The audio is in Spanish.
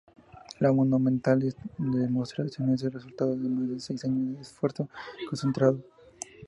La monumental demostración es el resultado de más de seis años de esfuerzo concentrado.